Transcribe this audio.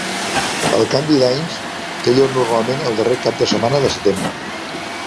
El Candy Dance te lloc normalment el darrer cap de setmana de setembre.